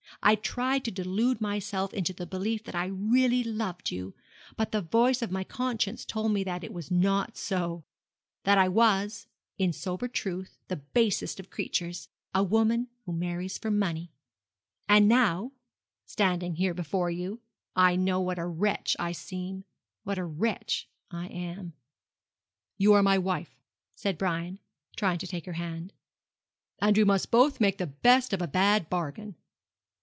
I tried to delude myself into the belief that I really loved you; but the voice of my conscience told me that it was not so, that I was, in sober truth, the basest of creatures a woman who marries for money. And now, standing here before you, I know what a wretch I seem what a wretch I am.' 'You are my wife,' said Brian, trying to take her hand; 'and we must both make the best of a bad bargain.'